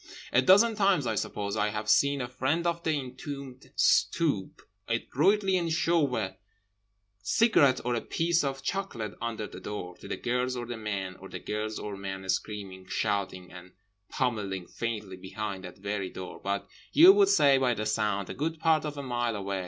A dozen times, I suppose, I have seen a friend of the entombed stoop adroitly and shove a cigarette or a piece of chocolate under the door, to the girls or the men or the girl or man screaming, shouting, and pommeling faintly behind that very door—but, you would say by the sound, a good part of a mile away….